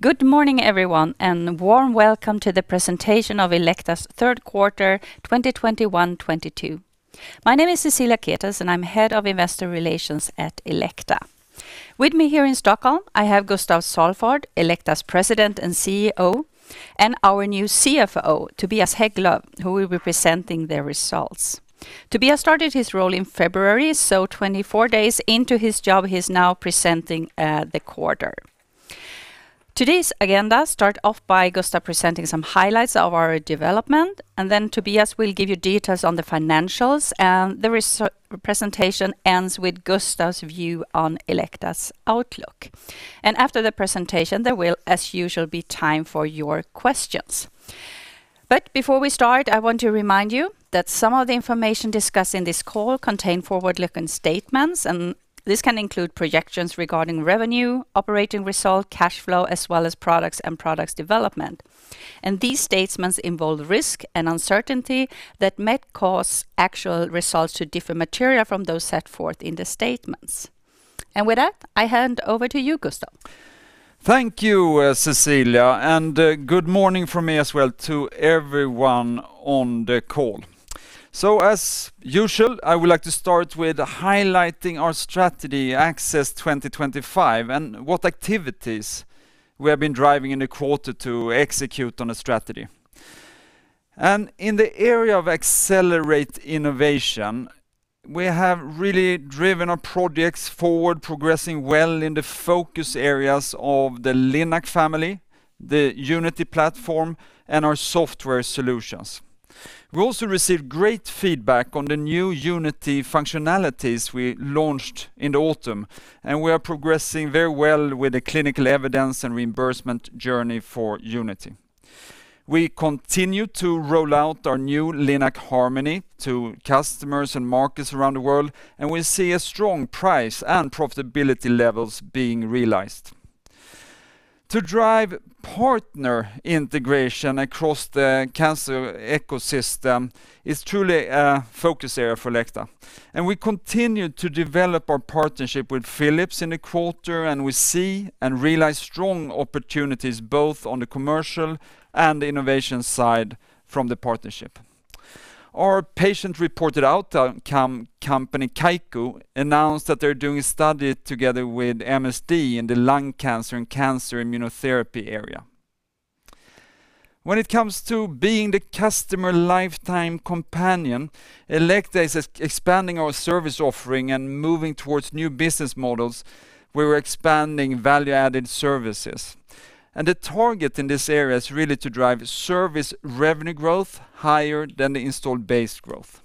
Good morning, everyone, and warm welcome to the presentation of Elekta's third quarter 2021-2022. My name is Cecilia Ketels, and I'm Head of Investor Relations at Elekta. With me here in Stockholm, I have Gustaf Salford, Elekta's President and CEO, and our new CFO, Tobias Hägglöv, who will be presenting the results. Tobias started his role in February, so 24 days into his job, he's now presenting the quarter. Today's agenda starts off by Gustaf presenting some highlights of our development, and then Tobias will give you details on the financials, and the presentation ends with Gustaf's view on Elekta's outlook. After the presentation, there will, as usual, be time for your questions. Before we start, I want to remind you that some of the information discussed in this call contain forward-looking statements, and this can include projections regarding revenue, operating result, cash flow, as well as products and products development. These statements involve risk and uncertainty that might cause actual results to differ material from those set forth in the statements. With that, I hand over to you, Gustaf. Thank you, Cecilia, and good morning from me as well to everyone on the call. As usual, I would like to start with highlighting our strategy ACCESS 2025 and what activities we have been driving in the quarter to execute on the strategy. In the area of accelerate innovation, we have really driven our projects forward, progressing well in the focus areas of the LINAC family, the Unity platform, and our software solutions. We also received great feedback on the new Unity functionalities we launched in the autumn, and we are progressing very well with the clinical evidence and reimbursement journey for Unity. We continue to roll out our new LINAC Harmony to customers and markets around the world, and we see a strong price and profitability levels being realized. To drive partner integration across the cancer ecosystem is truly a focus area for Elekta. We continue to develop our partnership with Philips in the quarter, and we see and realize strong opportunities both on the commercial and innovation side from the partnership. Our patient-reported outcome company, Kaiku, announced that they're doing a study together with MSD in the lung cancer and cancer immunotherapy area. When it comes to being the customer lifetime companion, Elekta is expanding our service offering and moving towards new business models. We're expanding value-added services. The target in this area is really to drive service revenue growth higher than the installed base growth.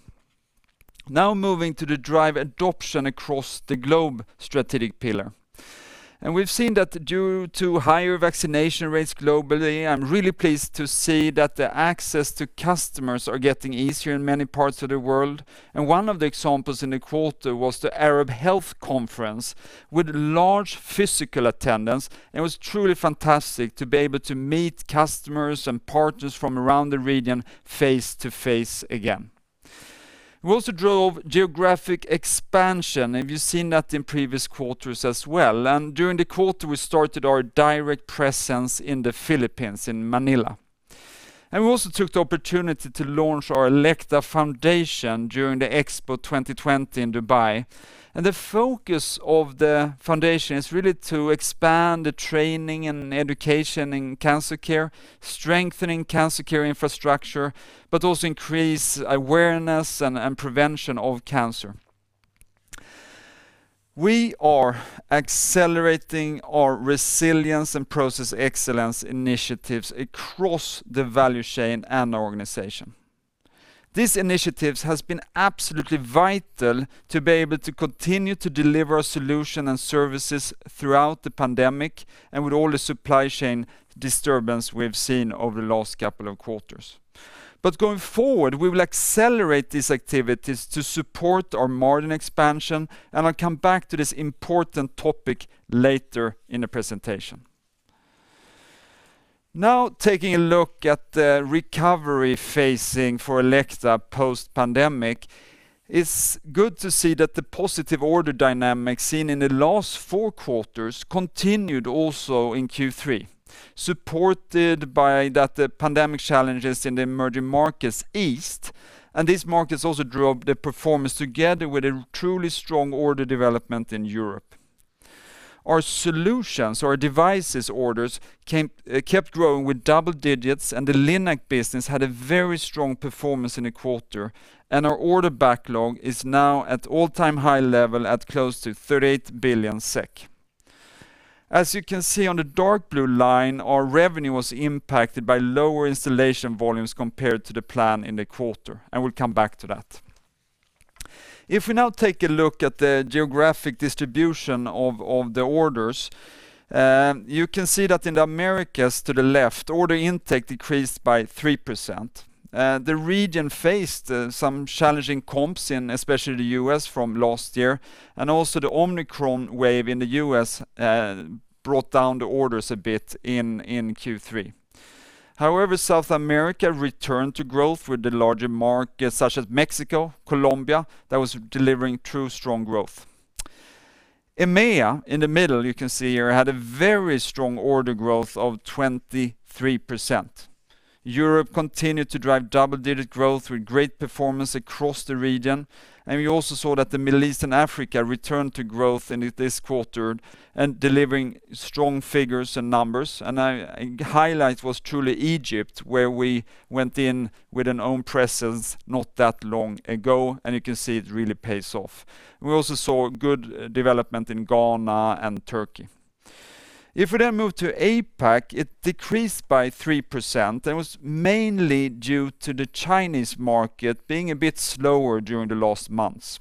Now moving to the drive adoption across the globe strategic pillar. We've seen that due to higher vaccination rates globally, I'm really pleased to see that the access to customers are getting easier in many parts of the world. One of the examples in the quarter was the Arab Health Conference with large physical attendance, and it was truly fantastic to be able to meet customers and partners from around the region face to face again. We also drove geographic expansion, and we've seen that in previous quarters as well. During the quarter, we started our direct presence in the Philippines, in Manila. We also took the opportunity to launch our Elekta Foundation during the Expo 2020 in Dubai. The focus of the foundation is really to expand the training and education in Cancer Care, strengthening Cancer Care infrastructure, but also increase awareness and prevention of cancer. We are accelerating our resilience and process excellence initiatives across the value chain and our organization. These initiatives have been absolutely vital to be able to continue to deliver solutions and services throughout the pandemic and with all the supply chain disturbances we have seen over the last couple of quarters. Going forward, we will accelerate these activities to support our margin expansion, and I'll come back to this important topic later in the presentation. Now taking a look at the recovery phasing for Elekta post-pandemic, it's good to see that the positive order dynamic seen in the last four quarters continued also in Q3, supported by that the pandemic challenges in the emerging markets eased, and these markets also drove the performance together with a truly strong order development in Europe. Our solutions, our devices orders kept growing with double digits, and the LINAC business had a very strong performance in the quarter, and our order backlog is now at all-time high level at close to 38 billion SEK. As you can see on the dark blue line, our revenue was impacted by lower installation volumes compared to the plan in the quarter. I will come back to that. If we now take a look at the geographic distribution of the orders, you can see that in the Americas to the left, order intake decreased by 3%. The region faced some challenging comps in especially the U.S. from last year, and also the Omicron wave in the U.S. brought down the orders a bit in Q3. However, South America returned to growth with the larger markets such as Mexico, Colombia, that was delivering truly strong growth. EMEA, in the middle, you can see here, had a very strong order growth of 23%. Europe continued to drive double-digit growth with great performance across the region. We also saw that the Middle East and Africa returned to growth in this quarter and delivering strong figures and numbers. A highlight was truly Egypt, where we went in with our own presence not that long ago, and you can see it really pays off. We also saw good development in Ghana and Turkey. If we then move to APAC, it decreased by 3%. That was mainly due to the Chinese market being a bit slower during the last months.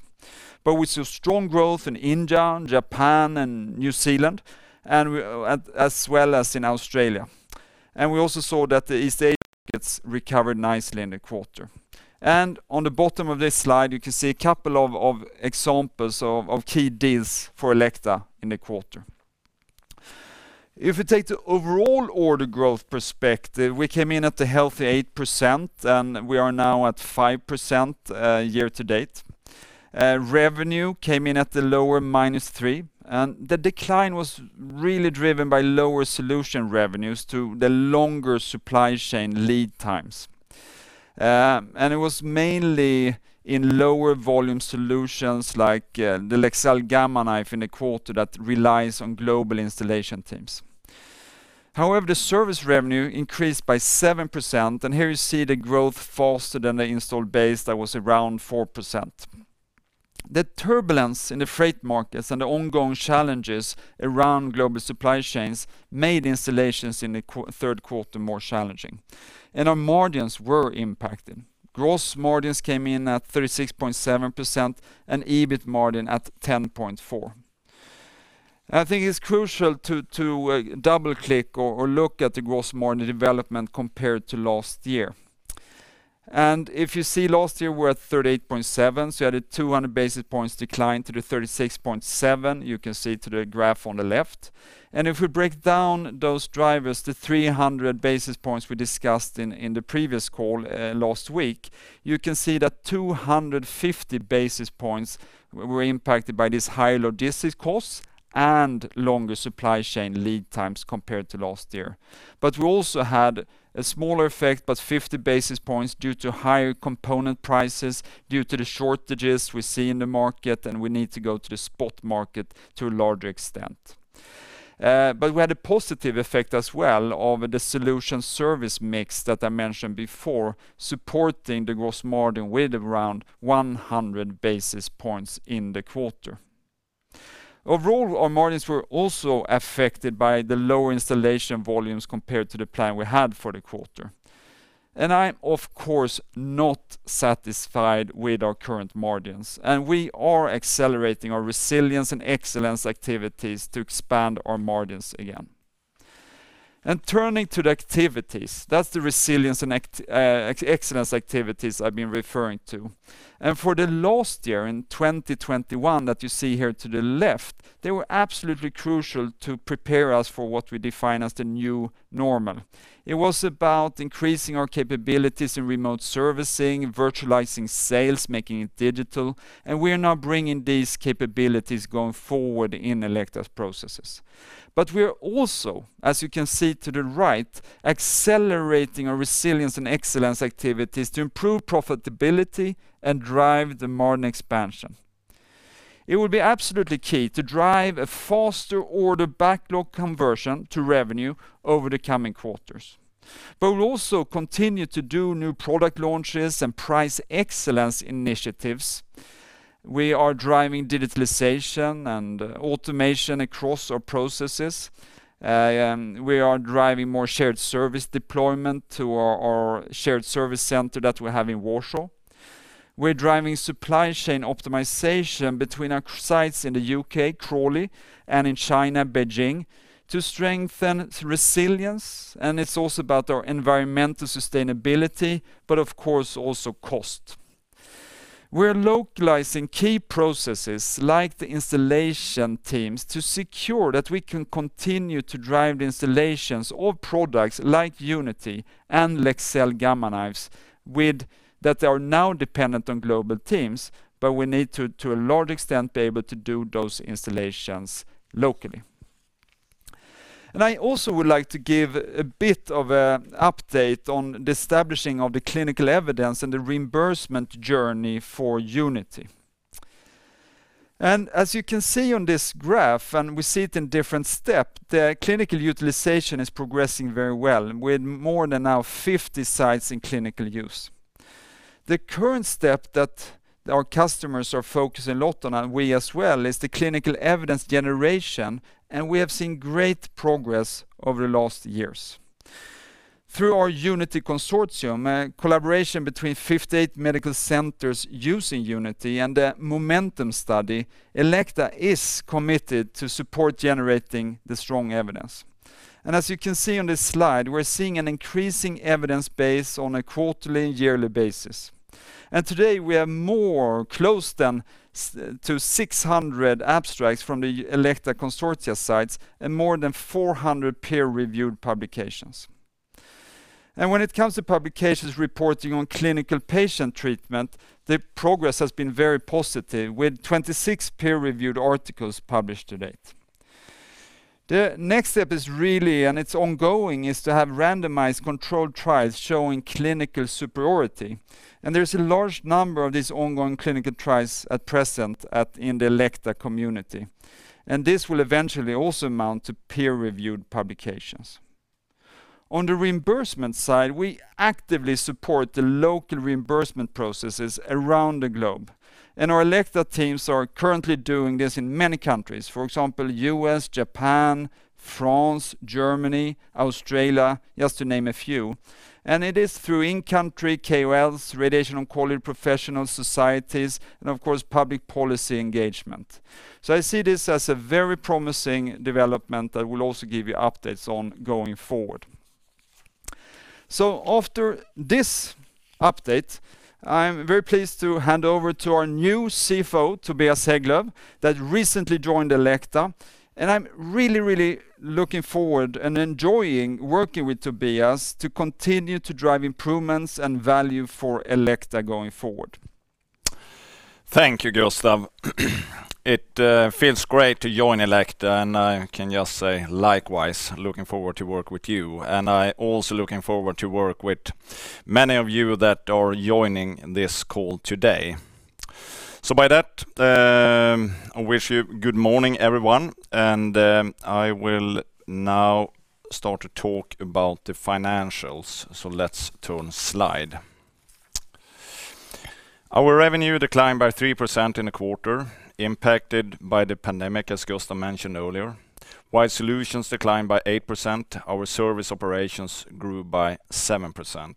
We saw strong growth in India, Japan, and New Zealand, and we, as well as in Australia. We also saw that the East Asia markets recovered nicely in the quarter. On the bottom of this slide, you can see a couple of examples of key deals for Elekta in the quarter. If we take the overall order growth perspective, we came in at a healthy 8%, and we are now at 5% year to date. Revenue came in at the lower -3%, and the decline was really driven by lower solution revenues to the longer supply chain lead times. It was mainly in lower volume solutions like the Leksell Gamma Knife in the quarter that relies on global installation teams. However, the service revenue increased by 7%, and here you see the growth faster than the installed base that was around 4%. The turbulence in the freight markets and the ongoing challenges around global supply chains made installations in the third quarter more challenging, and our margins were impacted. Gross margins came in at 36.7% and EBIT margin at 10.4%. I think it's crucial to double-click or look at the gross margin development compared to last year. If you see last year, we're at 38.7%, so you added 200 basis points decline to the 36.7%, you can see on the graph on the left. If we break down those drivers to 300 basis points we discussed in the previous call last week, you can see that 250 basis points were impacted by this higher logistics costs and longer supply chain lead times compared to last year. We also had a smaller effect, but 50 basis points due to higher component prices due to the shortages we see in the market, and we need to go to the spot market to a larger extent. We had a positive effect as well of the solution service mix that I mentioned before, supporting the gross margin with around 100 basis points in the quarter. Overall, our margins were also affected by the lower installation volumes compared to the plan we had for the quarter. I'm, of course, not satisfied with our current margins, and we are accelerating our resilience and excellence activities to expand our margins again. Turning to the activities, that's the resilience and excellence activities I've been referring to. For the last year, in 2021 that you see here to the left, they were absolutely crucial to prepare us for what we define as the new normal. It was about increasing our capabilities in remote servicing, virtualizing sales, making it digital, and we are now bringing these capabilities going forward in Elekta's processes. We are also, as you can see to the right, accelerating our resilience and excellence activities to improve profitability and drive the margin expansion. It will be absolutely key to drive a faster order backlog conversion to revenue over the coming quarters. We'll also continue to do new product launches and price excellence initiatives. We are driving digitalization and automation across our processes. We are driving more shared service deployment to our shared service center that we have in Warsaw. We're driving supply chain optimization between our sites in the U.K., Crawley, and in China, Beijing, to strengthen resilience, and it's also about our environmental sustainability, but of course, also cost. We're localizing key processes like the installation teams to secure that we can continue to drive the installations of products like Unity and Leksell Gamma Knives that are now dependent on global teams, but we need to a large extent be able to do those installations locally. I also would like to give a bit of a update on the establishing of the clinical evidence and the reimbursement journey for Unity. As you can see on this graph, and we see it in different step, the clinical utilization is progressing very well with more than now 50 sites in clinical use. The current step that our customers are focusing a lot on, and we as well, is the clinical evidence generation, and we have seen great progress over the last years. Through our Unity Consortium, a collaboration between 58 medical centers using Unity and a MOMENTUM study, Elekta is committed to support generating the strong evidence. As you can see on this slide, we're seeing an increasing evidence base on a quarterly and yearly basis. Today we are more close to 600 abstracts from the Elekta Consortium sites and more than 400 peer-reviewed publications. When it comes to publications reporting on clinical patient treatment, the progress has been very positive, with 26 peer-reviewed articles published to date. The next step is really, and it's ongoing, is to have randomized controlled trials showing clinical superiority. There's a large number of these ongoing clinical trials at present in the Elekta community. This will eventually also amount to peer-reviewed publications. On the reimbursement side, we actively support the local reimbursement processes around the globe, and our Elekta teams are currently doing this in many countries. For example, U.S., Japan, France, Germany, Australia, just to name a few. It is through in-country KOLs, radiation oncology professional societies, and of course, public policy engagement. I see this as a very promising development that will also give you updates going forward. After this update, I'm very pleased to hand over to our new CFO, Tobias Hägglöv, that recently joined Elekta. I'm really, really looking forward and enjoying working with Tobias to continue to drive improvements and value for Elekta going forward. Thank you, Gustaf. It feels great to join Elekta, and I can just say likewise, looking forward to work with you. I also looking forward to work with many of you that are joining this call today. By that, I wish you good morning, everyone, and I will now start to talk about the financials. Let's turn slide. Our revenue declined by 3% in the quarter, impacted by the pandemic, as Gustaf mentioned earlier. While solutions declined by 8%, our service operations grew by 7%.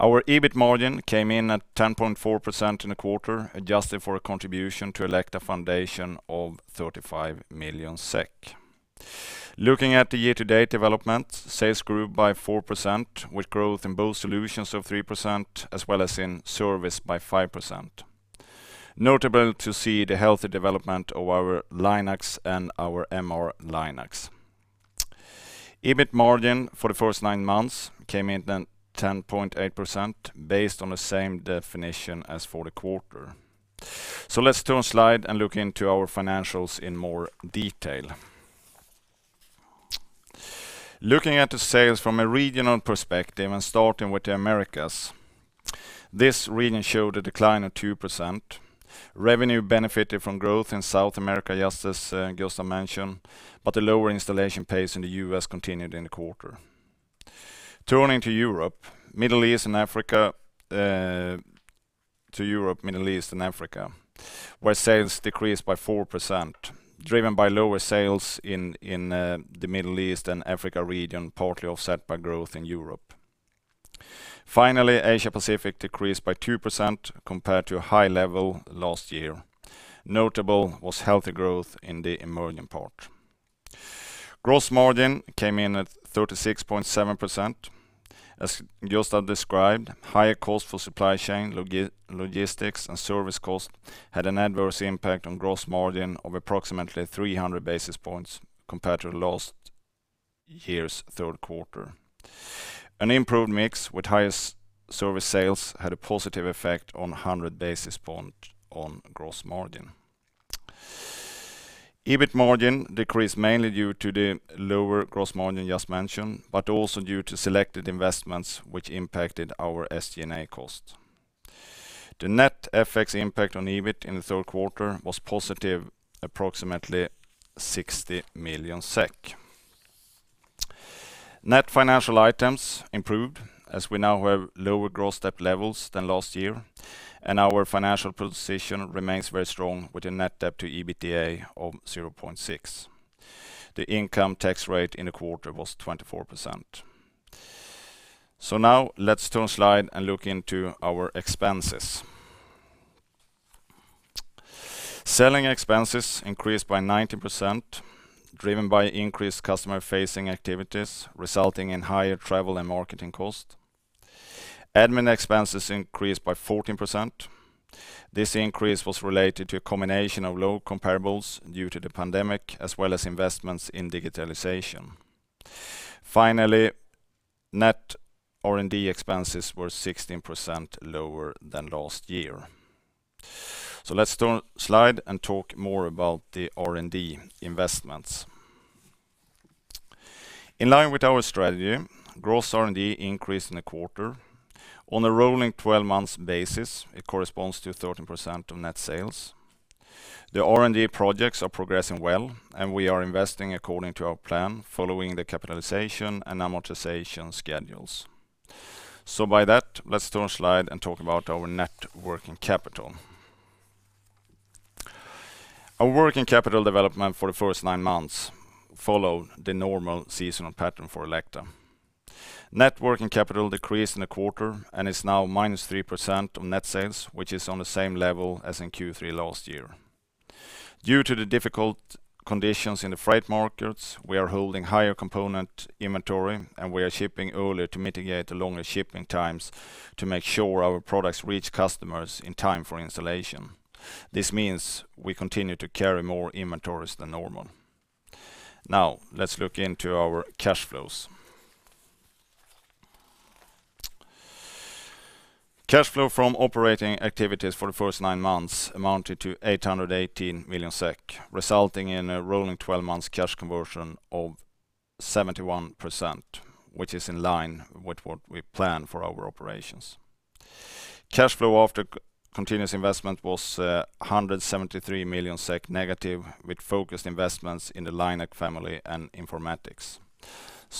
Our EBIT margin came in at 10.4% in the quarter, adjusted for a contribution to Elekta Foundation of 35 million SEK. Looking at the year-to-date development, sales grew by 4%, with growth in both solutions of 3%, as well as in service by 5%. Notable to see the healthy development of our LINACs and our MR-Linacs. EBIT margin for the first nine months came in at 10.8% based on the same definition as for the quarter. Let's turn to the slide and look into our financials in more detail. Looking at the sales from a regional perspective and starting with the Americas, this region showed a decline of 2%. Revenue benefited from growth in South America, just as Gustaf mentioned, but the lower installation pace in the U.S. continued in the quarter. Turning to Europe, Middle East, and Africa, where sales decreased by 4%, driven by lower sales in the Middle East and Africa region, partly offset by growth in Europe. Finally, Asia Pacific decreased by 2% compared to a high level last year. Notable was healthy growth in the emerging part. Gross margin came in at 36.7%. As Gustaf described, higher cost for supply chain, logistics, and service cost had an adverse impact on gross margin of approximately 300 basis points compared to last year's third quarter. An improved mix with higher service sales had a positive effect of 100 basis points on gross margin. EBIT margin decreased mainly due to the lower gross margin just mentioned, but also due to selected investments which impacted our SG&A cost. The net FX impact on EBIT in the third quarter was positive, approximately 60 million SEK. Net financial items improved as we now have lower gross debt levels than last year, and our financial position remains very strong with a net debt to EBITDA of 0.6. The income tax rate in the quarter was 24%. Now let's turn slide and look into our expenses. Selling expenses increased by 19%, driven by increased customer-facing activities, resulting in higher travel and marketing cost. Admin expenses increased by 14%. This increase was related to a combination of low comparables due to the pandemic, as well as investments in digitalization. Finally, net R&D expenses were 16% lower than last year. Let's turn slide and talk more about the R&D investments. In line with our strategy, gross R&D increased in the quarter. On a rolling 12-month basis, it corresponds to 13% of net sales. The R&D projects are progressing well, and we are investing according to our plan following the capitalization and amortization schedules. By that, let's turn slide and talk about our net working capital. Our working capital development for the first nine months followed the normal seasonal pattern for Elekta. Net working capital decreased in the quarter and is now -3% of net sales, which is on the same level as in Q3 last year. Due to the difficult conditions in the freight markets, we are holding higher component inventory, and we are shipping earlier to mitigate the longer shipping times to make sure our products reach customers in time for installation. This means we continue to carry more inventories than normal. Now, let's look into our cash flows. Cash flow from operating activities for the first nine months amounted to 818 million SEK, resulting in a rolling 12 months cash conversion of 71%, which is in line with what we planned for our operations. Cash flow after continuous investment was negative 173 million SEK with focused investments in the LINAC family and informatics.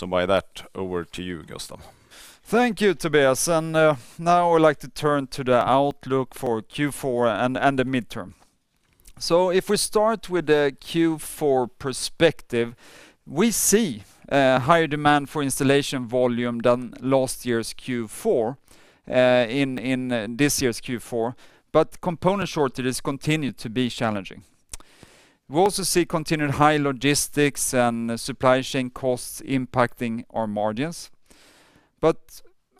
With that, over to you, Gustaf. Thank you, Tobias, and now I would like to turn to the outlook for Q4 and the midterm. If we start with the Q4 perspective, we see higher demand for installation volume than last year's Q4 in this year's Q4, but component shortages continue to be challenging. We also see continued high logistics and supply chain costs impacting our margins.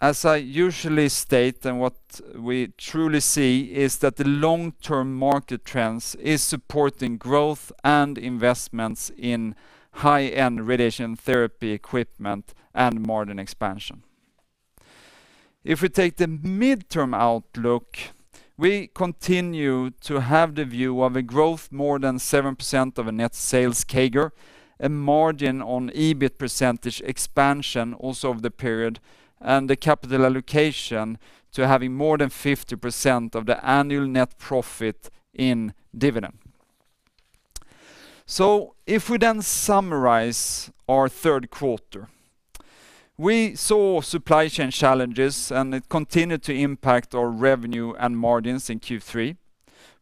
As I usually state, and what we truly see is that the long-term market trends is supporting growth and investments in high-end radiation therapy equipment and margin expansion. If we take the midterm outlook, we continue to have the view of a growth more than 7% of a net sales CAGR, a margin on EBIT percentage expansion also of the period, and the capital allocation to having more than 50% of the annual net profit in dividend. If we then summarize our third quarter, we saw supply chain challenges, and it continued to impact our revenue and margins in Q3.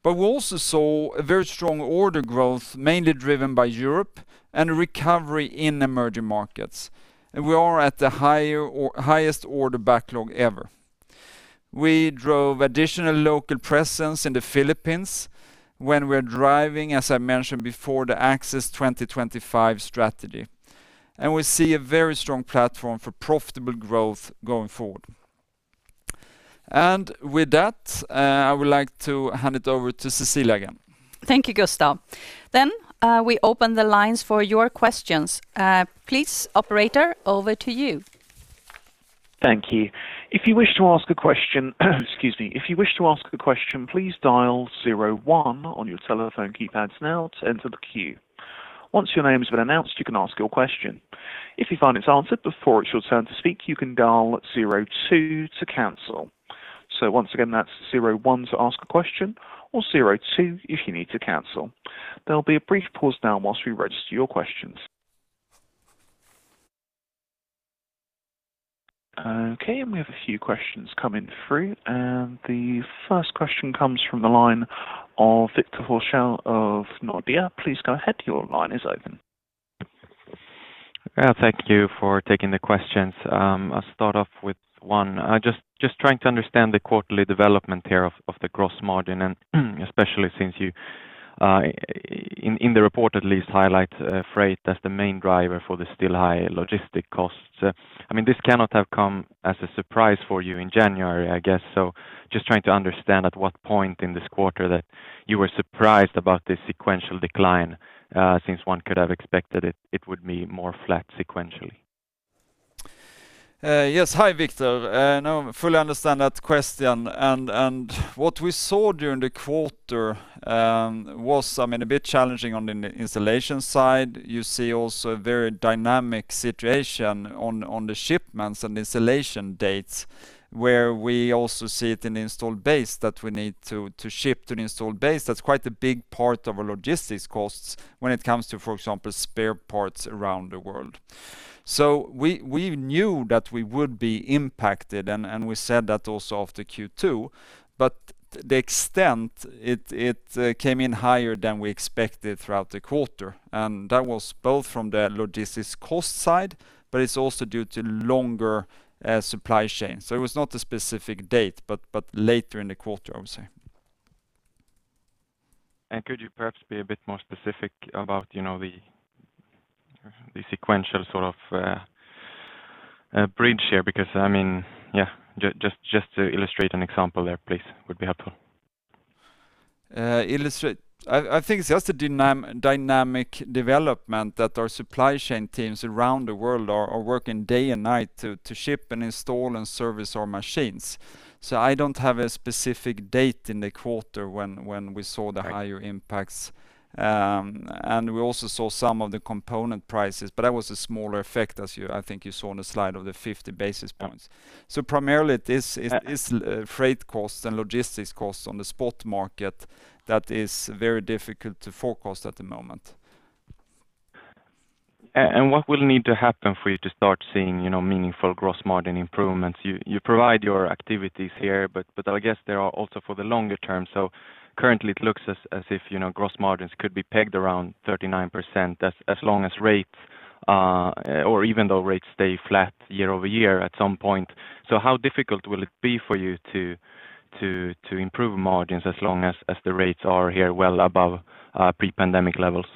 We also saw a very strong order growth, mainly driven by Europe and recovery in emerging markets. We are at the higher or highest order backlog ever. We drove additional local presence in the Philippines when we're driving, as I mentioned before, the ACCESS 2025 strategy. We see a very strong platform for profitable growth going forward. With that, I would like to hand it over to Cecilia again. Thank you, Gustaf. We open the lines for your questions. Please, operator, over to you. Thank you. If you wish to ask a question, please dial zero one on your telephone keypads now to enter the queue. Once your name has been announced, you can ask your question. If you find it's answered before it's your turn to speak, you can dial zero two to cancel. Once again, that's zero one to ask a question or zero two if you need to cancel. There'll be a brief pause now while we register your questions. Okay, and we have a few questions coming through. The first question comes from the line of Victor Forssell of Nordea. Please go ahead. Your line is open. Thank you for taking the questions. I'll start off with one. Just trying to understand the quarterly development here of the gross margin and especially since you in the report at least highlight freight as the main driver for the still high logistics costs. I mean, this cannot have come as a surprise for you in January, I guess. Just trying to understand at what point in this quarter that you were surprised about the sequential decline, since one could have expected it would be more flat sequentially. Yes. Hi, Victor. I fully understand that question. What we saw during the quarter was, I mean, a bit challenging on the installation side. You see also a very dynamic situation on the shipments and installation dates, where we also see it in the installed base that we need to ship to the installed base. That's quite a big part of our logistics costs when it comes to, for example, spare parts around the world. We knew that we would be impacted, and we said that also after Q2. The extent came in higher than we expected throughout the quarter. That was both from the logistics cost side, but it's also due to longer supply chain. It was not a specific date, but later in the quarter, I would say. Could you perhaps be a bit more specific about, you know, the sequential sort of bridge here? Because, I mean, yeah, just to illustrate an example there, please, would be helpful. I think it's just a dynamic development that our supply chain teams around the world are working day and night to ship and install and service our machines. I don't have a specific date in the quarter when we saw the higher impacts. We also saw some of the component prices, but that was a smaller effect as you, I think you saw on the slide of the 50 basis points. Primarily this is freight costs and logistics costs on the spot market that is very difficult to forecast at the moment. What will need to happen for you to start seeing, you know, meaningful gross margin improvements? You provide your activities here, but I guess they are also for the longer term. Currently it looks as if, you know, gross margins could be pegged around 39% as long as rates, or even though rates stay flat year-over-year at some point. How difficult will it be for you to improve margins as long as the rates are here well above pre-pandemic levels?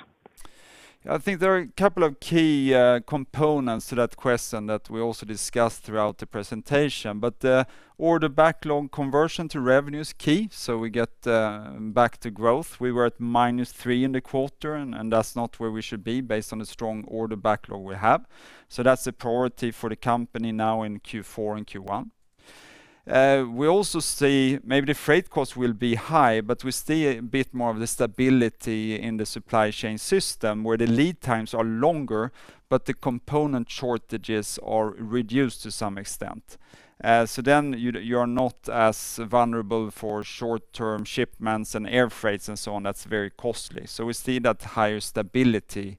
I think there are a couple of key components to that question that we also discussed throughout the presentation. The order backlog conversion to revenue is key, so we get back to growth. We were at -3% in the quarter, and that's not where we should be based on the strong order backlog we have. That's the priority for the company now in Q4 and Q1. We also see maybe the freight cost will be high, but we see a bit more of the stability in the supply chain system where the lead times are longer, but the component shortages are reduced to some extent. So you're not as vulnerable for short-term shipments and air freights and so on that's very costly. We see that higher stability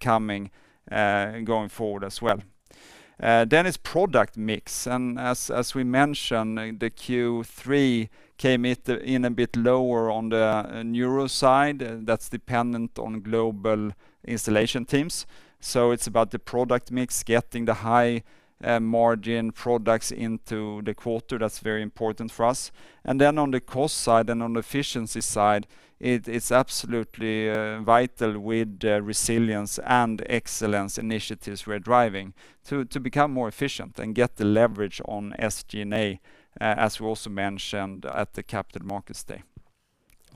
coming going forward as well. It's product mix, and as we mentioned, the Q3 came in a bit lower on the neuro side. That's dependent on global installation teams. It's about the product mix, getting the high margin products into the quarter. That's very important for us. On the cost side and on the efficiency side, it is absolutely vital with the resilience and excellence initiatives we're driving to become more efficient and get the leverage on SG&A, as we also mentioned at the Capital Markets Day.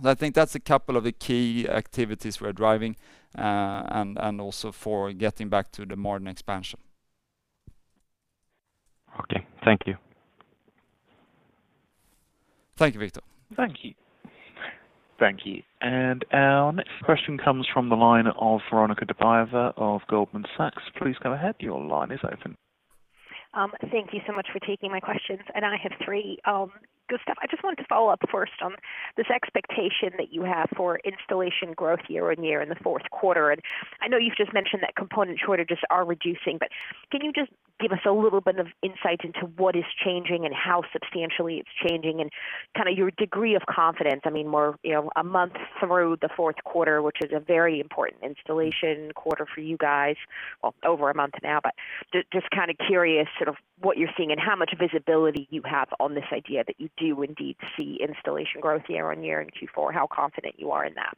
I think that's a couple of the key activities we're driving, and also for getting back to the margin expansion. Okay. Thank you. Thank you, Victor. Thank you. Thank you. Our next question comes from the line of Veronika Dubajova of Goldman Sachs. Please go ahead. Your line is open. Thank you so much for taking my questions, and I have three. Gustaf, I just wanted to follow up first on this expectation that you have for installation growth year-on-year in the fourth quarter. I know you've just mentioned that component shortages are reducing, but can you just give us a little bit of insight into what is changing and how substantially it's changing and kinda your degree of confidence? I mean, we're, you know, a month through the fourth quarter, which is a very important installation quarter for you guys. Well, over a month now. Just kinda curious sort of what you're seeing and how much visibility you have on this idea that you do indeed see installation growth year-on-year in Q4, how confident you are in that.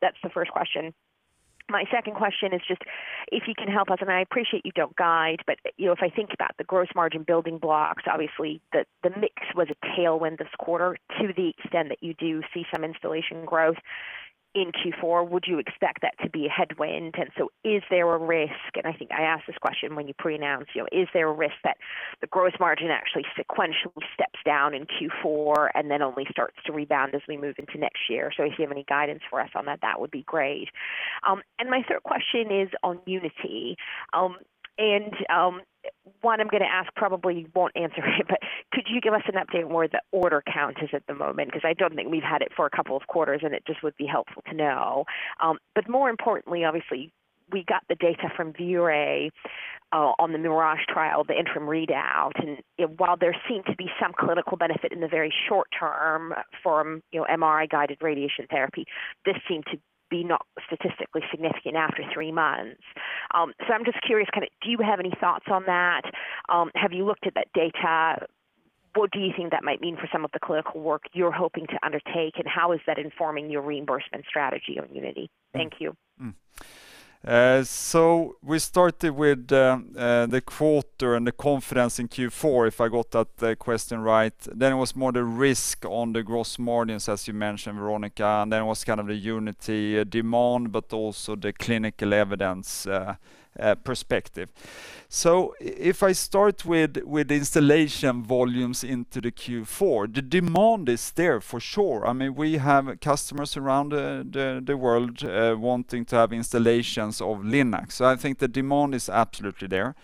That's the first question. My second question is just if you can help us, and I appreciate you don't guide, but, you know, if I think about the gross margin building blocks, obviously the mix was a tailwind this quarter to the extent that you do see some installation growth in Q4. Would you expect that to be a headwind? Is there a risk, and I think I asked this question when you pre-announced, you know, is there a risk that the gross margin actually sequentially steps down in Q4 and then only starts to rebound as we move into next year? If you have any guidance for us on that would be great. My third question is on Unity. One I'm gonna ask probably you won't answer it, but could you give us an update where the order count is at the moment? 'Cause I don't think we've had it for a couple of quarters, and it just would be helpful to know. More importantly, obviously, we got the data from ViewRay on the MIRAGE trial, the interim readout. You know, while there seemed to be some clinical benefit in the very short term from, you know, MRI-guided radiation therapy, this seemed to be not statistically significant after three months. I'm just curious, kinda do you have any thoughts on that? Have you looked at that data? What do you think that might mean for some of the clinical work you're hoping to undertake, and how is that informing your reimbursement strategy on Unity? Thank you. We started with the quarter and the confidence in Q4, if I got that question right. It was more the risk on the gross margins, as you mentioned, Veronika. It was kind of the Unity demand, but also the clinical evidence perspective. If I start with installation volumes into the Q4, the demand is there for sure. I mean, we have customers around the world wanting to have installations of LINAC. I think the demand is absolutely there.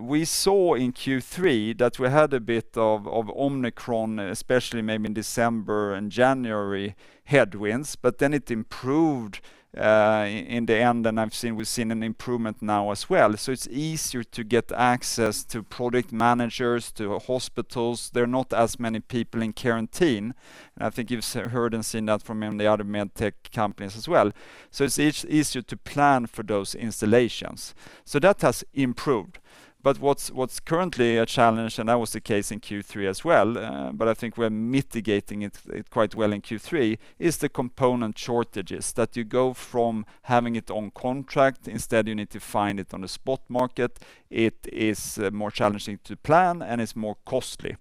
We saw in Q3 that we had a bit of Omicron, especially maybe in December and January, headwinds, but then it improved in the end, and we've seen an improvement now as well. It's easier to get access to product managers, to hospitals. There are not as many people in quarantine, and I think you've heard and seen that from many of the other med tech companies as well. It's easier to plan for those installations. That has improved. What's currently a challenge, and that was the case in Q3 as well, but I think we're mitigating it quite well in Q3, is the component shortages. That you go from having it on contract, instead you need to find it on the spot market. It is more challenging to plan, and it's more costly.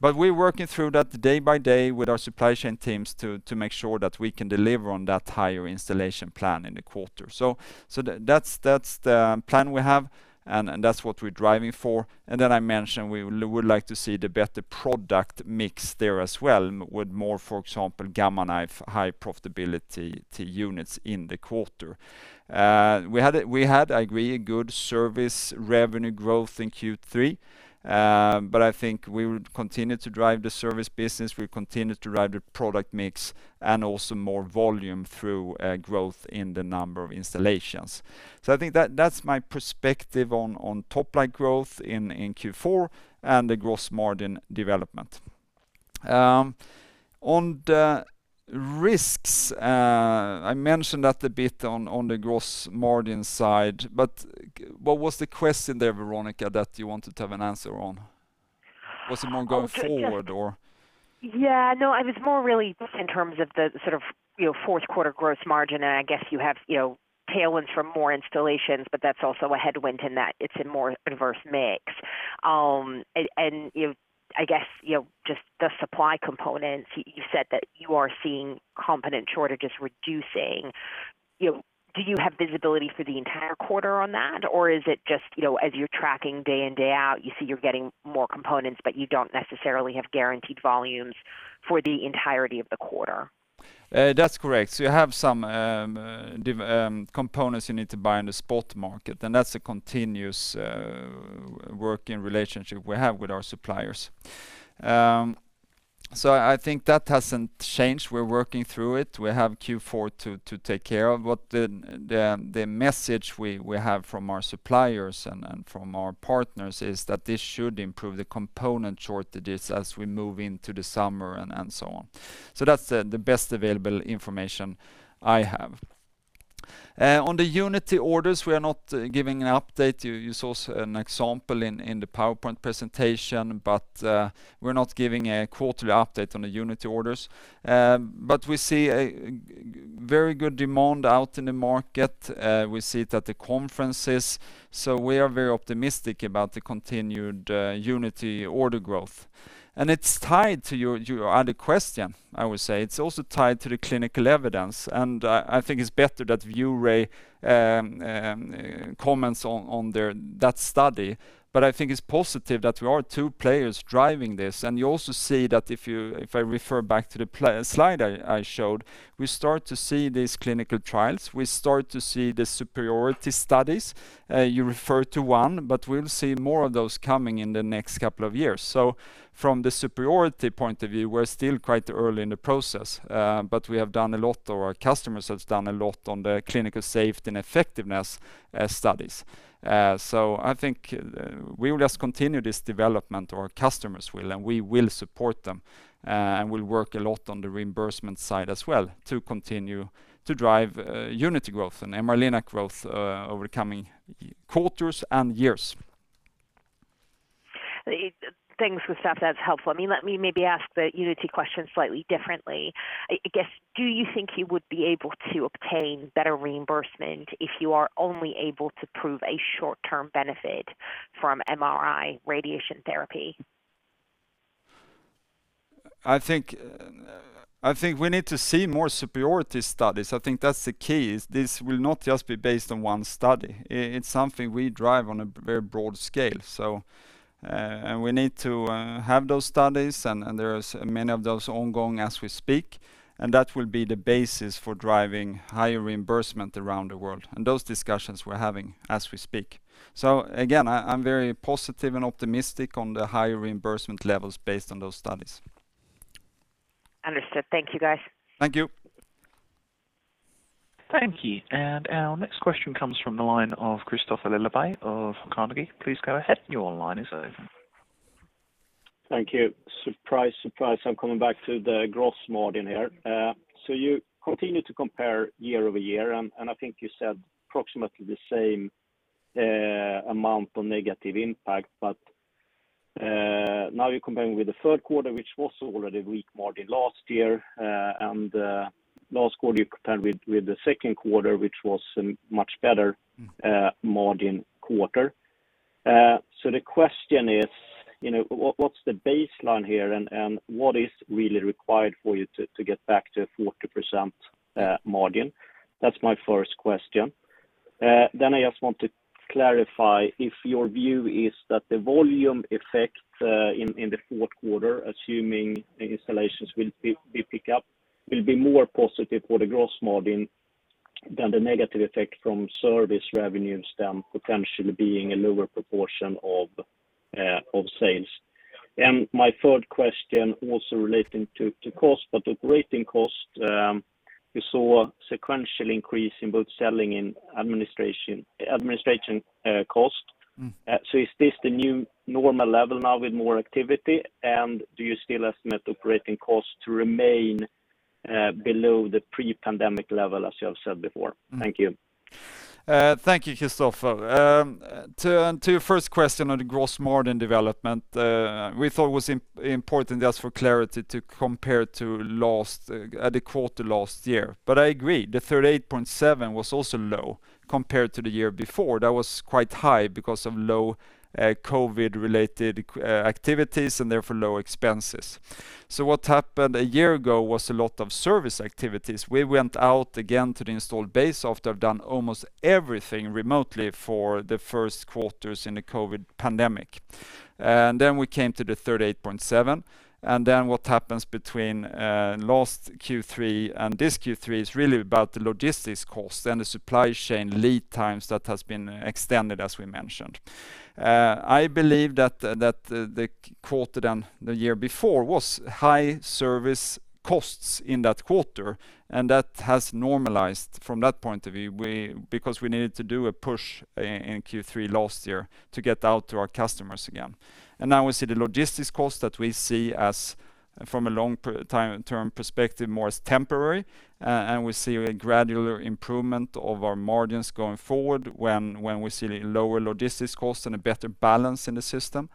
We're working through that day by day with our supply chain teams to make sure that we can deliver on that higher installation plan in the quarter. That's the plan we have, and that's what we're driving for. I mentioned we would like to see the better product mix there as well, with more, for example, Gamma Knife high profitability units in the quarter. We had, I agree, good service revenue growth in Q3, but I think we would continue to drive the service business. We'll continue to drive the product mix and also more volume through growth in the number of installations. I think that's my perspective on top line growth in Q4 and the gross margin development. On the risks, I mentioned that a bit on the gross margin side, but what was the question there, Veronika, that you wanted to have an answer on? Was it on, going forward, or? Yeah, no, I was more really just in terms of the sort of, you know, fourth quarter gross margin, and I guess you have, you know, tailwinds from more installations, but that's also a headwind in that it's a more adverse mix. And you know, I guess, you know, just the supply components, you said that you are seeing component shortages reducing. You know, do you have visibility for the entire quarter on that? Or is it just, you know, as you're tracking day in, day out, you see you're getting more components, but you don't necessarily have guaranteed volumes for the entirety of the quarter? That's correct. You have some components you need to buy in the spot market, and that's a continuous working relationship we have with our suppliers. I think that hasn't changed. We're working through it. We have Q4 to take care of, but the message we have from our suppliers and from our partners is that this should improve the component shortages as we move into the summer and so on. That's the best available information I have. On the Unity orders, we are not giving an update. You saw an example in the PowerPoint presentation, but we're not giving a quarterly update on the Unity orders. We see very good demand out in the market. We see it at the conferences, so we are very optimistic about the continued Unity order growth. It's tied to your other question, I would say. It's also tied to the clinical evidence, and I think it's better that ViewRay comments on that study, but I think it's positive that we are two players driving this. You also see that if I refer back to the slide I showed, we start to see these clinical trials. We start to see the superiority studies. You refer to one, but we'll see more of those coming in the next couple of years. From the superiority point of view, we're still quite early in the process, but we have done a lot, or our customers have done a lot on the clinical safety and effectiveness studies. I think we will just continue this development or our customers will, and we will support them, and we'll work a lot on the reimbursement side as well to continue to drive Unity growth and MR-Linac growth over the coming quarters and years. Thanks, that's helpful. I mean, let me maybe ask the Unity question slightly differently. I guess, do you think you would be able to obtain better reimbursement if you are only able to prove a short-term benefit from MRI radiation therapy? I think we need to see more superiority studies. I think that's the key is this will not just be based on one study. It's something we drive on a very broad scale. We need to have those studies and there's many of those ongoing as we speak, and that will be the basis for driving higher reimbursement around the world. Those discussions we're having as we speak. Again, I'm very positive and optimistic on the higher reimbursement levels based on those studies. Understood. Thank you, guys. Thank you. Thank you. Our next question comes from the line of Kristofer Liljeberg of Carnegie. Please go ahead. Your line is open. Thank you. Surprise, surprise, I'm coming back to the gross margin here. You continue to compare year-over-year, and I think you said approximately the same amount of negative impact. Now you're comparing with the third quarter, which was already weak margin last year. Last quarter you compared with the second quarter, which was much better margin quarter. The question is, you know, what's the baseline here and what is really required for you to get back to 40% margin? That's my first question. I just want to clarify if your view is that the volume effect in the fourth quarter, assuming the installations will pick up, will be more positive for the gross margin than the negative effect from service revenues then potentially being a lower proportion of sales. My third question also relating to cost, but operating cost, we saw sequential increase in both selling and administration cost. Is this the new normal level now with more activity? Do you still estimate operating costs to remain below the pre-pandemic level as you have said before? Mm. Thank you. Thank you, Kristofer. To your first question on the gross margin development, we thought it was important just for clarity to compare to last quarter last year. I agree, the 38.7% was also low compared to the year before. That was quite high because of low COVID-related activities and therefore low expenses. What happened a year ago was a lot of service activities. We went out again to the installed base after I've done almost everything remotely for the first quarters in the COVID pandemic. Then we came to the 38.7%, and then what happens between last Q3 and this Q3 is really about the logistics cost and the supply chain lead times that has been extended, as we mentioned. I believe that the quarter the year before was high service costs in that quarter, and that has normalized from that point of view. Because we needed to do a push in Q3 last year to get out to our customers again. Now we see the logistics cost that we see as from a long-term perspective, more as temporary. We see a gradual improvement of our margins going forward when we see lower logistics costs and a better balance in the system.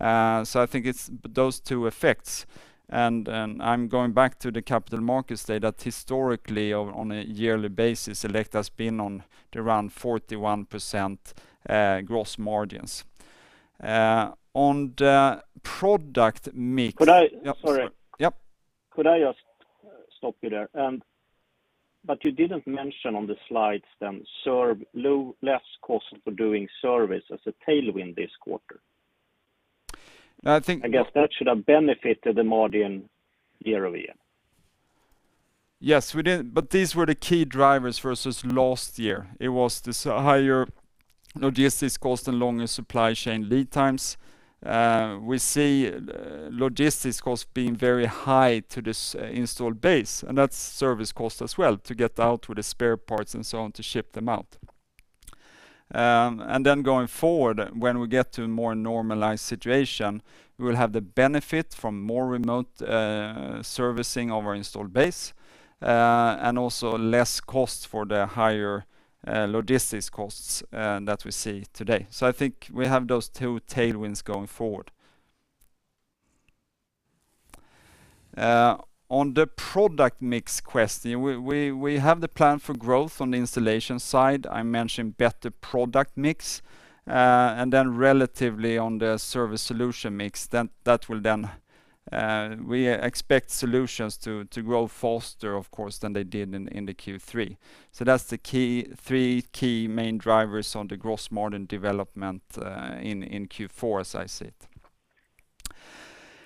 I think it's those two effects, and I'm going back to the Capital Markets Day that historically, on a yearly basis, Elekta has been around 41% gross margins. On the product mix. Could I- Yep. Sorry. Yep. Could I just stop you there? You didn't mention on the slides less cost for doing service as a tailwind this quarter. I think- I guess that should have benefited the margin year-over-year. Yes, we did. These were the key drivers versus last year. It was this higher logistics cost and longer supply chain lead times. We see logistics costs being very high to this installed base, and that's service cost as well to get out with the spare parts and so on to ship them out. Going forward, when we get to a more normalized situation, we will have the benefit from more remote servicing of our installed base, and also less costs for the higher logistics costs that we see today. I think we have those two tailwinds going forward. On the product mix question, we have the plan for growth on the installation side. I mentioned better product mix and then relatively on the service solution mix, then we expect solutions to grow faster, of course, than they did in the Q3. That's the three key main drivers on the gross margin development in Q4, as I see it.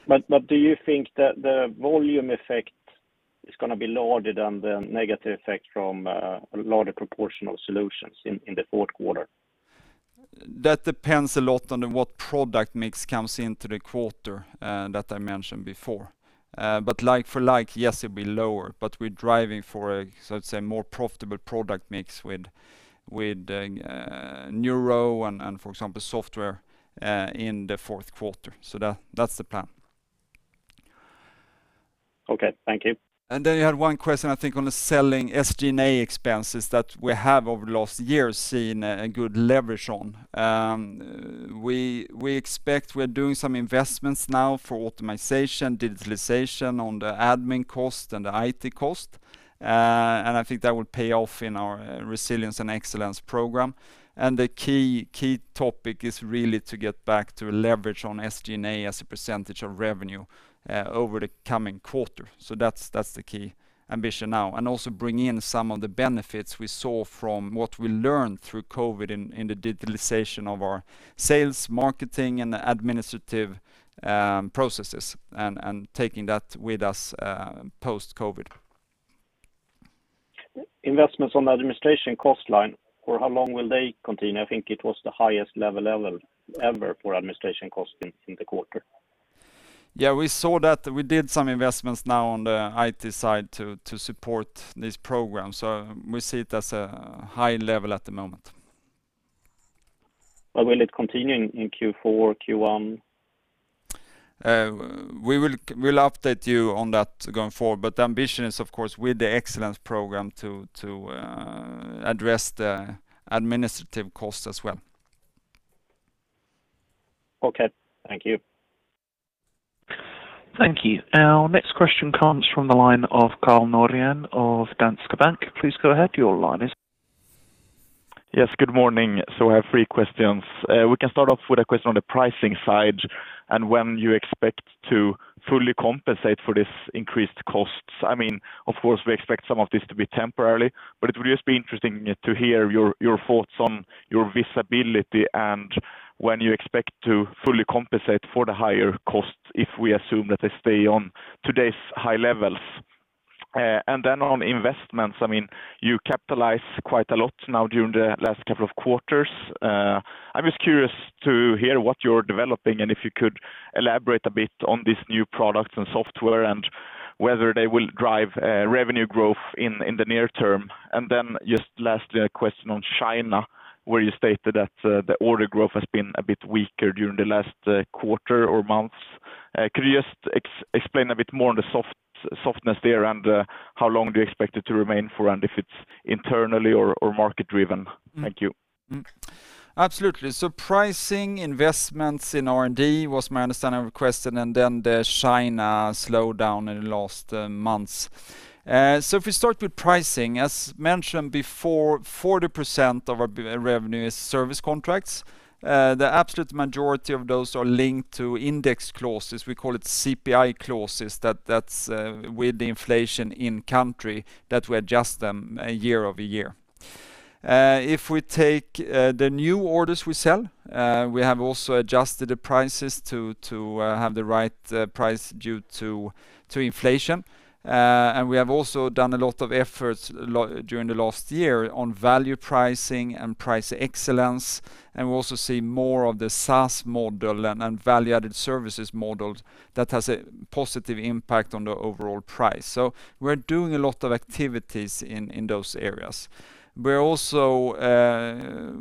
Do you think that the volume effect is gonna be larger than the negative effect from a larger proportion of solutions in the fourth quarter? That depends a lot on what product mix comes into the quarter that I mentioned before. Like for like, yes, it'll be lower, but we're driving for a sort of say more profitable product mix with neuro and for example software in the fourth quarter. That's the plan. Okay, thank you. You had one question, I think, on the selling SG&A expenses that we have over the last years seen a good leverage on. We expect we're doing some investments now for optimization, digitalization on the admin cost and the IT cost. I think that will pay off in our resilience and excellence program. The key topic is really to get back to a leverage on SG&A as a percentage of revenue over the coming quarter. That's the key ambition now. Also bring in some of the benefits we saw from what we learned through COVID in the digitalization of our sales, marketing, and administrative processes and taking that with us post-COVID. Investments on the administration cost line, for how long will they continue? I think it was the highest level ever for administration costs in the quarter. Yeah, we saw that. We did some investments now on the IT side to support this program. We see it as a high level at the moment. Will it continue in Q4, Q1? We'll update you on that going forward, but the ambition is of course with the excellence program to address the administrative costs as well. Okay, thank you. Thank you. Our next question comes from the line of Karl Norén of Danske Bank. Please go ahead, your line is. Yes, good morning. I have three questions. We can start off with a question on the pricing side and when you expect to fully compensate for this increased costs. I mean, of course, we expect some of this to be temporarily, but it would just be interesting to hear your thoughts on your visibility and when you expect to fully compensate for the higher costs, if we assume that they stay on today's high levels. On investments, I mean, you capitalize quite a lot now during the last couple of quarters. I'm just curious to hear what you're developing and if you could elaborate a bit on these new products and software and whether they will drive revenue growth in the near term. Just lastly, a question on China, where you stated that the order growth has been a bit weaker during the last quarter or months. Could you just explain a bit more on the softness there and how long do you expect it to remain for? If it's internally or market driven? Thank you. Absolutely. Pricing investments in R&D was my understanding of your question, and then the China slowdown in the last months. If we start with pricing, as mentioned before, 40% of our revenue is service contracts. The absolute majority of those are linked to index clauses. We call it CPI clauses. That's with the inflation in country that we adjust them year-over-year. If we take the new orders we sell, we have also adjusted the prices to have the right price due to inflation. We have also done a lot of efforts during the last year on value pricing and price excellence, and we also see more of the SaaS model and value-added services models that has a positive impact on the overall price. We're doing a lot of activities in those areas. We're also,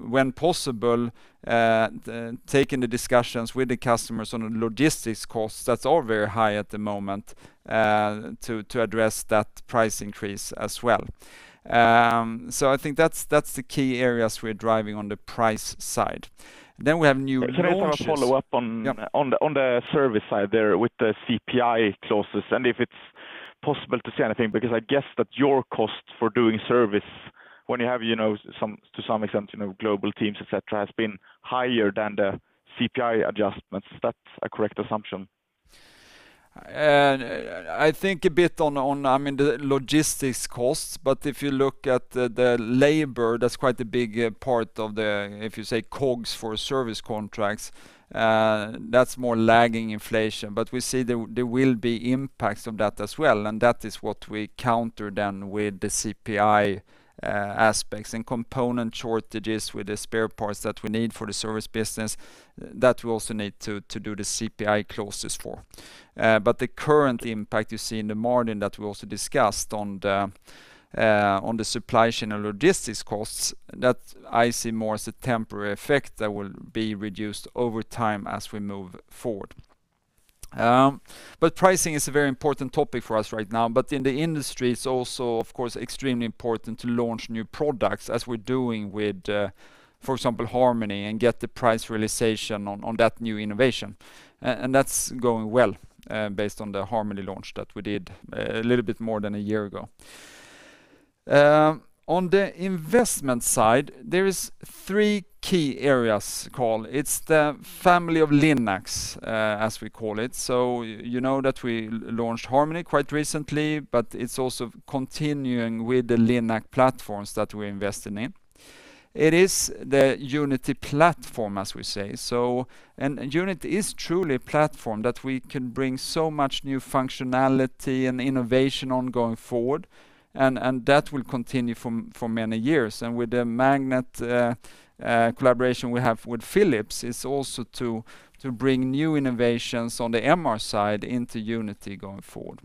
when possible, taking the discussions with the customers on a logistics cost that's all very high at the moment, to address that price increase as well. I think that's the key areas we're driving on the price side. We have new launches. Can I have a follow-up on the service side there with the CPI clauses, and if it's possible to say anything, because I guess that your cost for doing service when you have, you know, to some extent, you know, global teams, et cetera, has been higher than the CPI adjustments. That's a correct assumption? I think a bit on, I mean, the logistics costs, but if you look at the labor, that's quite a big part of the, if you say, COGS for service contracts, that's more lagging inflation. We see there will be impacts of that as well, and that is what we counter then with the CPI aspects. Component shortages with the spare parts that we need for the service business, that we also need to do the CPI clauses for. The current impact you see in the margin that we also discussed on the supply chain and logistics costs, that I see more as a temporary effect that will be reduced over time as we move forward. Pricing is a very important topic for us right now, but in the industry, it's also, of course, extremely important to launch new products as we're doing with, for example, Harmony and get the price realization on that new innovation. That's going well based on the Harmony launch that we did a little bit more than a year ago. On the investment side, there are three key areas called the family of LINACs, as we call it. You know that we launched Harmony quite recently, but it's also continuing with the LINAC platforms that we're investing in. It is the Unity platform, as we say. Unity is truly a platform that we can bring so much new functionality and innovation, going forward, and that will continue for many years. With the magnet collaboration we have with Philips is also to bring new innovations on the MR side into Unity going forward.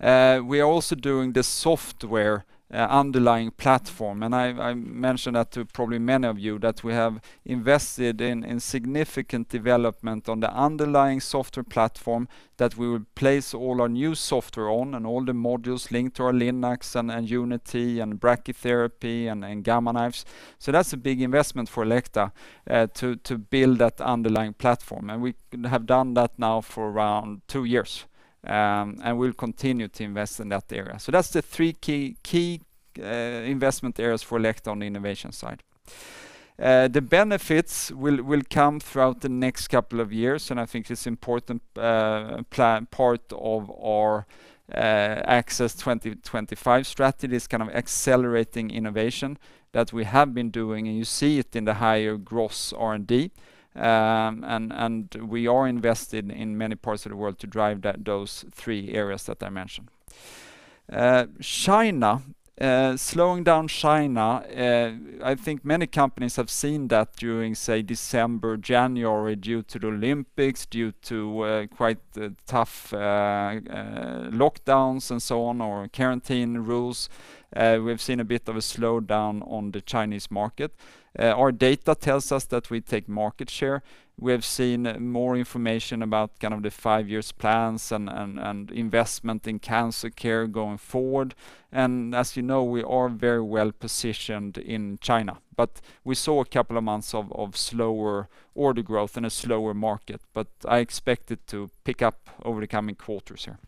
We are also doing the software underlying platform, and I've mentioned that to probably many of you that we have invested in significant development on the underlying software platform that we would place all our new software on and all the modules linked to our LINACs and Unity and brachytherapy and Gamma Knives. That's a big investment for Elekta to build that underlying platform. We have done that now for around two years. We'll continue to invest in that area. That's the three key investment areas for Elekta on the innovation side. The benefits will come throughout the next couple of years. I think it's important, part of our ACCESS 2025 strategy is kind of accelerating innovation that we have been doing, and you see it in the higher gross R&D. We are invested in many parts of the world to drive those three areas that I mentioned. China slowing down, I think many companies have seen that during, say, December, January due to the Olympics, due to quite tough lockdowns and so on, or quarantine rules. We've seen a bit of a slowdown on the Chinese market. Our data tells us that we take market share. We have seen more information about kind of the five-year plans and investment in Cancer Care going forward. As you know, we are very well-positioned in China, but we saw a couple of months of slower order growth and a slower market. I expect it to pick up over the coming quarters here.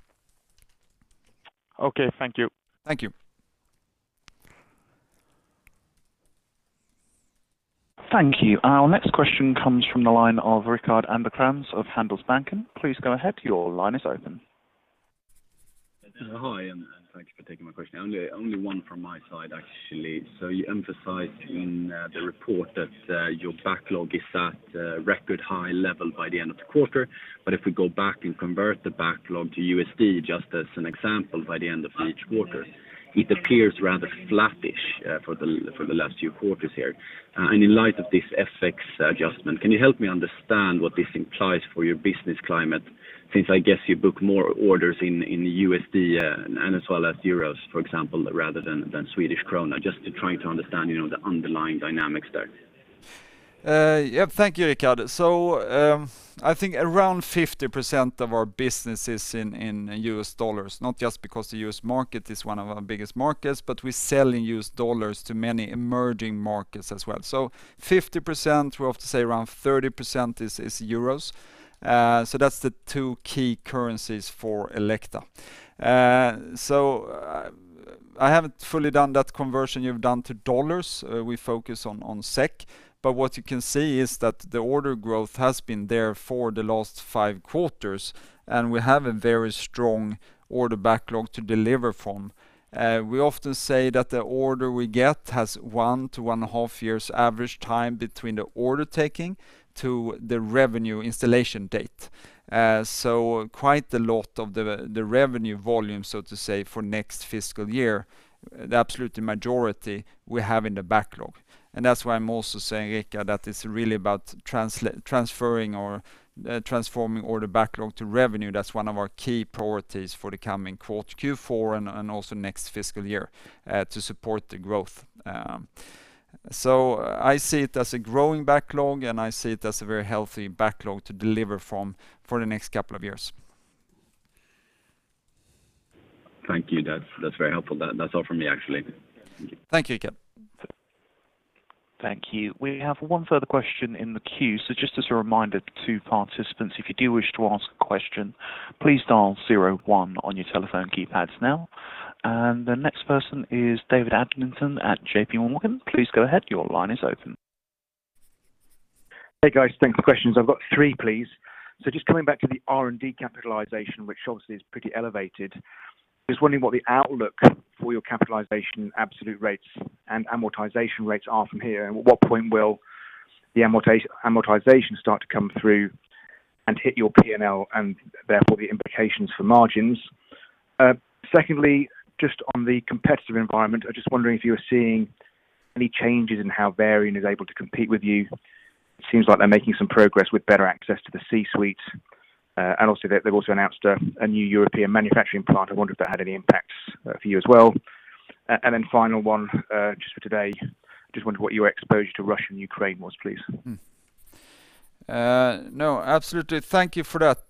Okay. Thank you. Thank you. Thank you. Our next question comes from the line of Rickard Anderkrans of Handelsbanken. Please go ahead. Your line is open. Hi, thank you for taking my question. Only one from my side, actually. You emphasized in the report that your backlog is at a record high level by the end of the quarter. If we go back and convert the backlog to USD, just as an example, by the end of each quarter, it appears rather flattish for the last few quarters here. In light of this FX adjustment, can you help me understand what this implies for your business climate since I guess you book more orders in USD and as well as euros, for example, rather than Swedish krona, just to try to understand, you know, the underlying dynamics there. Thank you, Rickard. I think around 50% of our business is in U.S. dollars, not just because the U.S. market is one of our biggest markets, but we sell in U.S. dollars to many emerging markets as well. 50%, we have to say around 30% is euros. That's the two key currencies for Elekta. I haven't fully done that conversion you've done to dollars. We focus on SEK, but what you can see is that the order growth has been there for the last five quarters, and we have a very strong order backlog to deliver from. We often say that the order we get has one to 1.5 years average time between the order taking to the revenue installation date. Quite a lot of the revenue volume, so to say, for next fiscal year, the absolute majority we have in the backlog. That's why I'm also saying, Rickard, that it's really about transferring or transforming order backlog to revenue. That's one of our key priorities for the coming quarter, Q4 and also next fiscal year to support the growth. I see it as a growing backlog, and I see it as a very healthy backlog to deliver from for the next couple of years. Thank you. That's very helpful. That's all from me, actually. Thank you, Rika. Thank you. We have one further question in the queue. Just as a reminder to participants, if you do wish to ask a question, please dial zero one on your telephone keypads now. The next person is David Adlington at JPMorgan. Please go ahead. Your line is open. Hey, guys. Thanks for questions. I've got three, please. Just coming back to the R&D capitalization, which obviously is pretty elevated. Just wondering what the outlook for your capitalization absolute rates and amortization rates are from here, and at what point will the amortization start to come through and hit your P&L and therefore the implications for margins? Secondly, just on the competitive environment, I'm just wondering if you're seeing any changes in how Varian is able to compete with you. It seems like they're making some progress with better access to the C-suite. Also, they've also announced a new European manufacturing plant. I wonder if that had any impacts for you as well. Final one, just for today. I just wonder what your exposure to Russia and Ukraine was, please. No, absolutely. Thank you for that.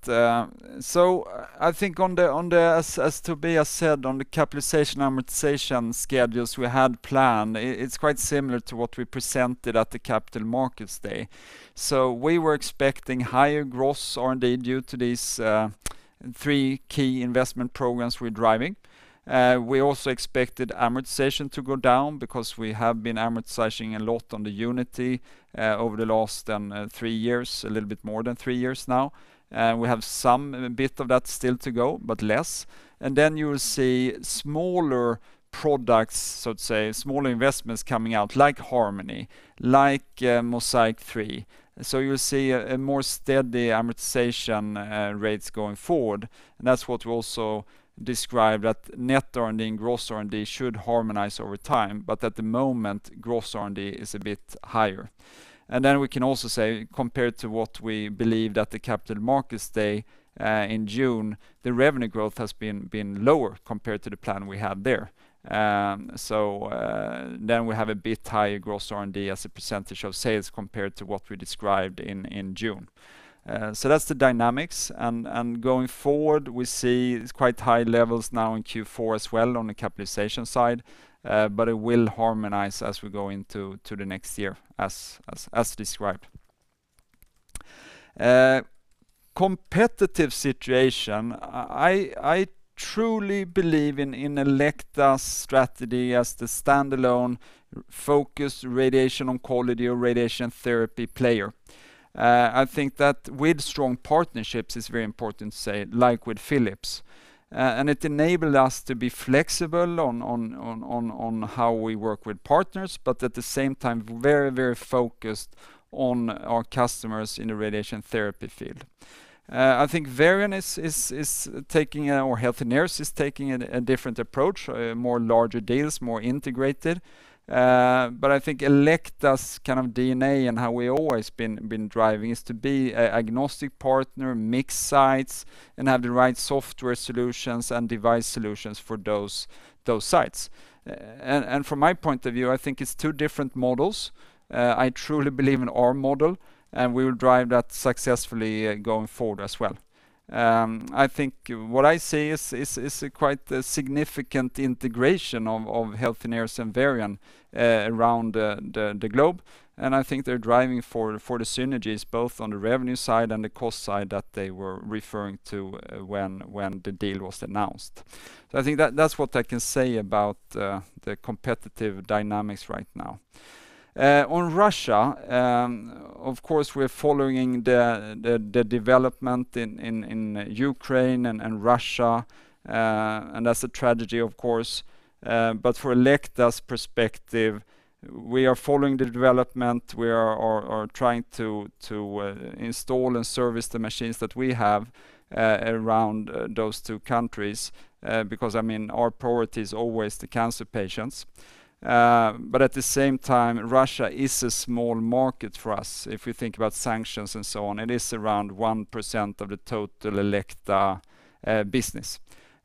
I think, as Tobias said, on the capitalization amortization schedules we had planned, it's quite similar to what we presented at the Capital Markets Day. We were expecting higher gross R&D due to these three key investment programs we're driving. We also expected amortization to go down because we have been amortizing a lot on the Unity over the last three years, a little bit more than three years now. We have some bit of that still to go, but less. Then you will see smaller products, so to say, smaller investments coming out, like Harmony, like MOSAIQ 3. You'll see a more steady amortization rates going forward. That's what we also describe, that net R&D and gross R&D should harmonize over time. At the moment, gross R&D is a bit higher. We can also say, compared to what we believe that the Capital Markets Day in June, the revenue growth has been lower compared to the plan we had there. We have a bit higher gross R&D as a percentage of sales compared to what we described in June. That's the dynamics. Going forward, we see quite high levels now in Q4 as well on the capitalization side, but it will harmonize as we go into the next year as described. Competitive situation. I truly believe in Elekta's strategy as the standalone focused radiation oncology or radiation therapy player. I think that with strong partnerships, it's very important to say, like with Philips, and it enabled us to be flexible on how we work with partners, but at the same time, very focused on our customers in the radiation therapy field. I think Varian is taking or Healthineers is taking a different approach, more larger deals, more integrated. I think Elekta's kind of DNA and how we always been driving is to be a agnostic partner, mix sites, and have the right software solutions and device solutions for those sites. From my point of view, I think it's two different models. I truly believe in our model, and we will drive that successfully, going forward as well. I think what I see is a quite significant integration of Healthineers and Varian around the globe. I think they're driving for the synergies both on the revenue side and the cost side that they were referring to when the deal was announced. I think that's what I can say about the competitive dynamics right now. On Russia, of course, we're following the development in Ukraine and Russia. That's a tragedy, of course. For Elekta's perspective, we are following the development. We are trying to install and service the machines that we have around those two countries because I mean, our priority is always the cancer patients. But at the same time, Russia is a small market for us. If you think about sanctions and so on, it is around 1% of the total Elekta business.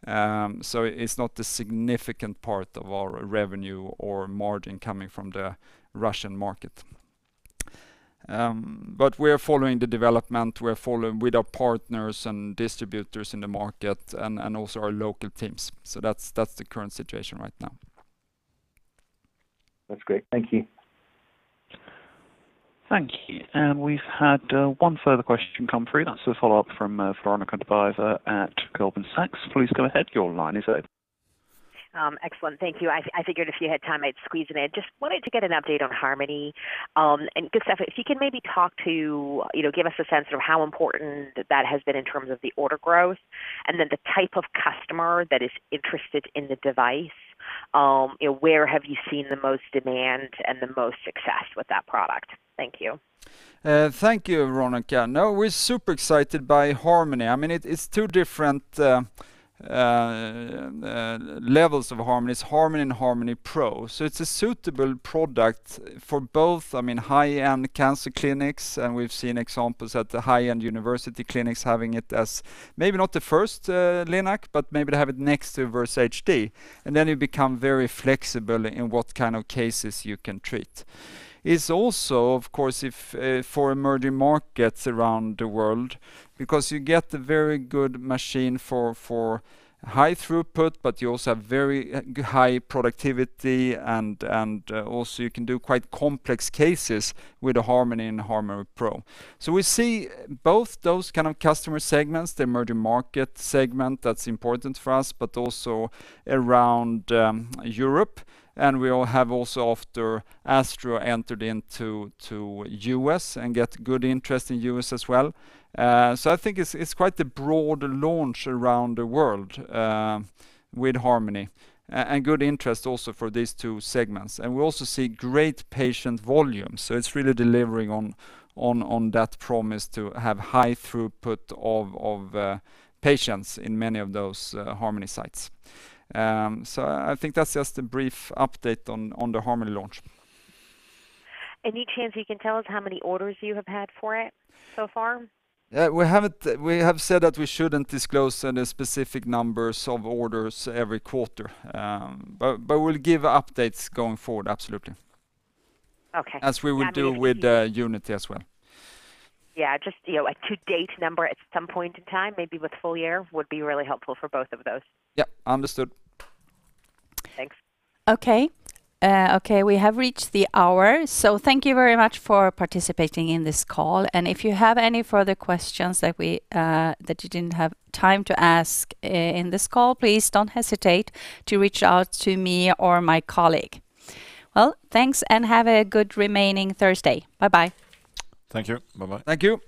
It's not a significant part of our revenue or margin coming from the Russian market. We're following the development, we're following with our partners and distributors in the market and also our local teams. That's the current situation right now. That's great. Thank you. Thank you. We've had one further question come through. That's a follow-up from Veronika Dubajova at Goldman Sachs. Please go ahead. Your line is open. Excellent. Thank you. I figured if you had time I'd squeeze it in. Just wanted to get an update on Harmony, and Gustaf, if you can maybe talk to, you know, give us a sense of how important that has been in terms of the order growth and then the type of customer that is interested in the device. You know, where have you seen the most demand and the most success with that product? Thank you. Thank you, Veronika. No, we're super excited by Harmony. I mean, it's two different levels of Harmony. It's Harmony and Harmony Pro. It's a suitable product for both, I mean, high-end cancer clinics, and we've seen examples at the high-end university clinics having it as maybe not the first LINAC, but maybe to have it next to Versa HD, and then you become very flexible in what kind of cases you can treat. It's also, of course, for emerging markets around the world because you get a very good machine for high throughput, but you also have very high productivity and also you can do quite complex cases with the Harmony and Harmony Pro. We see both those kind of customer segments, the emerging market segment, that's important for us, but also around Europe. We all have also after ASTRO entered into the U.S. and get good interest in U.S. as well. So I think it's quite the broad launch around the world with Harmony. Good interest also for these two segments. We also see great patient volumes, so it's really delivering on that promise to have high throughput of patients in many of those Harmony sites. So I think that's just a brief update on the Harmony launch. Any chance you can tell us how many orders you have had for it so far? We have said that we shouldn't disclose any specific numbers of orders every quarter. We'll give updates going forward, absolutely. Okay. As we will do with Unity as well. Yeah, just, you know, a to-date number at some point in time, maybe with full year, would be really helpful for both of those. Yeah. Understood. Thanks. Okay, we have reached the hour, so thank you very much for participating in this call. If you have any further questions that you didn't have time to ask in this call, please don't hesitate to reach out to me or my colleague. Well, thanks and have a good remaining Thursday. Bye-bye. Thank you. Bye-bye. Thank you.